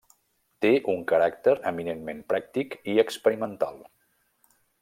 Té un caràcter eminentment pràctic i experimental.